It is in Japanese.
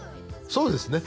そうですね